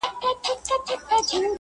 کرۍ ورځ یم وږې تږې ګرځېدلې!